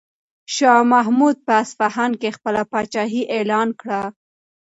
شاه محمود په اصفهان کې خپله پاچاهي اعلان کړه.